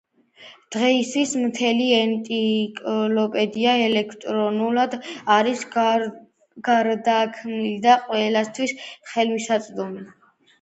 დღეისთვის მთელი ენციკლოპედია ელექტრონულად არის გარდაქმნილი და ყველასათვის ხელმისაწვდომია.